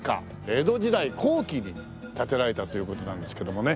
江戸時代後期に建てられたという事なんですけどもね。